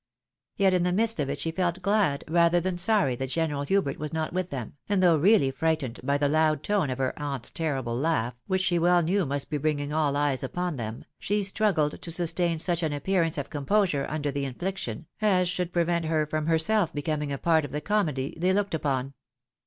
Yet in the midst of it she felt glad, rather than sorry, that General Hubert was not with them ; and though really frightened by the loud tone of her aunt's terrible laiigh, which she well knew must be bringing all eyes upon them, she struggled to sustain such an appearance of composure under the infliction, as should prevent her from herself becoming a part of the comedy they looked upon.